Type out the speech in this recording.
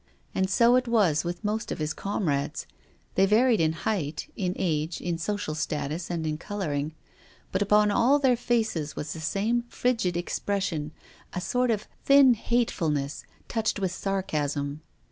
And so it was with most of his comrades. They varied in height, in age, in social status and in colouring. But upon all their faces was the same frigid expression, a sort of thin hatefulness touched with sarcasm.